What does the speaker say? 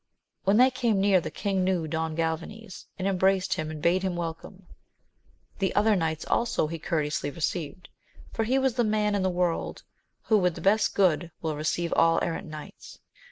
When they came near, the king knew Don Galvanes, and embraced him and bade him wel come. The other knights also he courteously received, for he was the man in the world who with the best good will received all errant knights.